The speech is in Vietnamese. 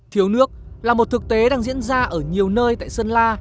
thiếu nước là một thực tế đang diễn ra ở nhiều nơi tại sơn la